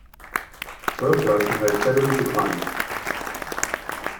Oil production has steadily declined.